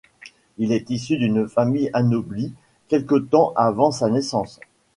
Il est issu d'une famille anoblie quelque temps avant sa naissance.